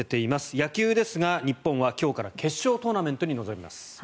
野球ですが日本は今日から決勝トーナメントに臨みます。